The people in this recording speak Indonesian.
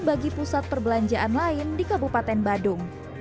bagi pusat perbelanjaan lain di kabupaten badung